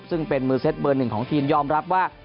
ซึ่งเป็นมือเซตเบอร์หนึ่งของทีมยอมรับว่า